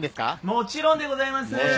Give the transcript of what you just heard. もちろんでございます。